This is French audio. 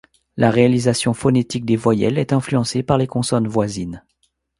La réalisation phonétique des voyelles est influencée par les consonnes voisines.